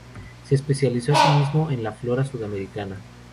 Se especializó asimismo en la flora sudamericana.